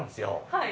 はい。